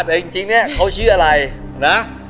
แต่จริงเนี่ยเขาชื่ออะไรนะ